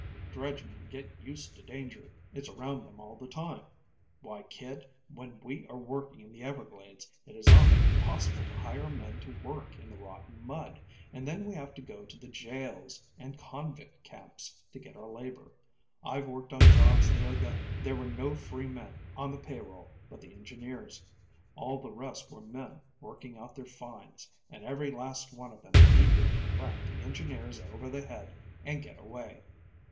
"Dredge men get used to danger. It's around them all the time. Why, kid, when we are working in the Everglades, it is often impossible to hire men to work in the rotten mud, and then we have to go to the jails and convict camps to get our labor. I've worked on jobs there that there were no free men on the payroll but the engineers. All the rest were men working out their fines, and every last one of them eager to crack the engineers over the head and get away.